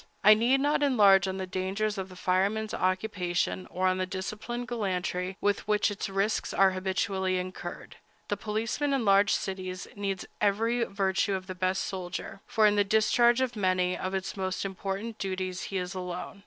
I need not enlarge on the dangers of the fireman's occupation, or on the disciplined gallantry with which its risks are habitually incurred. The policeman in large cities needs every virtue of the best soldier, for in the discharge of many of his most important duties he is alone.